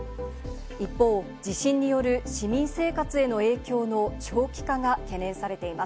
一方、地震による市民生活への影響の長期化が懸念されています。